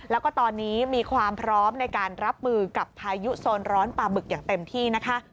แล้วก็ตอนนี้มีความพร้อมในการรับมือกับพายุโซนร้อนปลาบึกอย่างเต็มที่นะคะ